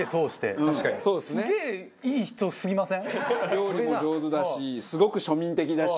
料理も上手だしすごく庶民的だし。